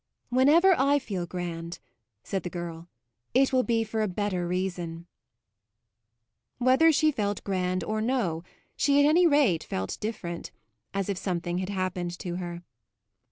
"Whenever I feel grand," said the girl, "it will be for a better reason." Whether she felt grand or no, she at any rate felt different, as if something had happened to her.